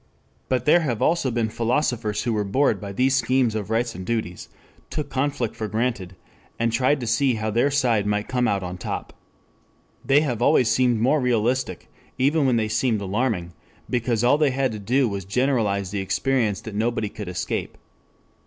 But there have also been philosophers who were bored by these schemes of rights and duties, took conflict for granted, and tried to see how their side might come out on top. They have always seemed more realistic, even when they seemed alarming, because all they had to do was to generalize the experience that nobody could escape.